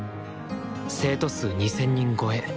生徒数２，０００人超え。